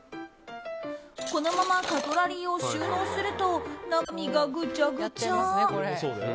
このままカトラリーを収納すると中身がぐちゃぐちゃ。